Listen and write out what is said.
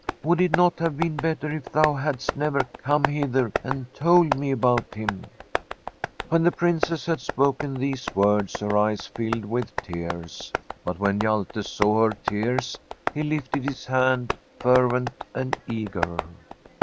Would it not have been better if thou hadst never come hither and told me about him ?' When the Princess had spoken these words, [177I Fr9m s SfFEDISH HOMESTEAD her eyes filled with tears; but when Hjalte saw her tears, he lifted his hand fervent and eager.